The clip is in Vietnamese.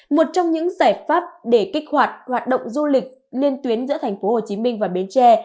một trong những giải pháp để kích hoạt hoạt động du lịch liên tuyến giữa thành phố hồ chí minh và bến tre